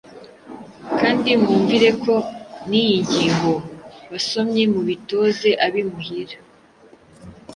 Kandi mwumvireko n'iyi ngingo Basomyi mubitoze ab'imuhira :